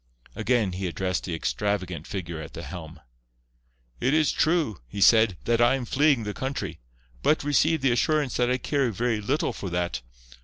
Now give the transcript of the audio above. Again he addressed the extravagant figure at the helm. "It is true," he said, "that I am fleeing the country. But, receive the assurance that I care very little for that.